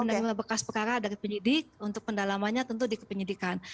jadi ini adalah bekas perkara dari penyidik untuk pendalamannya tentu dikepenyidikan